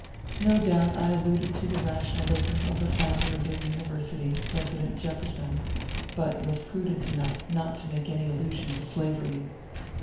No doubt I alluded to. the rationalism of the founder of their university, President Jefferson, but was prudent enough not to make any allusion, to slavery.